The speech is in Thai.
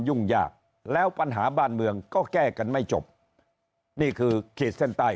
ยุ่งยากแล้วปัญหาบ้านเมืองก็แก้กันไม่จบนี่คือขีดเส้นใต้